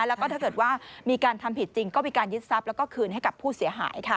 แล้วก็ถ้าเกิดว่ามีการทำผิดจริงก็มีการยึดทรัพย์แล้วก็คืนให้กับผู้เสียหายค่ะ